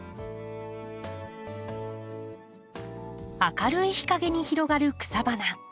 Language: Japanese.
明るい日かげに広がる草花。